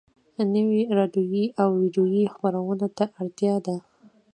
نويو راډيويي او ويډيويي خپرونو ته اړتيا ده.